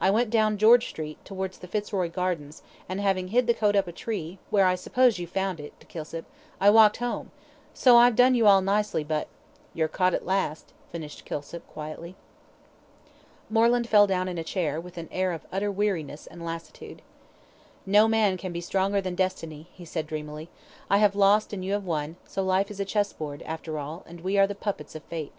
I went down George Street, towards the Fitzroy Gardens, and having hid the coat up a tree, where I suppose you found it," to Kilsip, "I walked home so I've done you all nicely, but " "You're caught at last," finished Kilsip, quietly. Moreland fell down in a chair, with an air of utter weariness and lassitude. "No man can be stronger than Destiny," he said, dreamily. "I have lost and you have won; so life is a chess board, after all, and we are the puppets of Fate."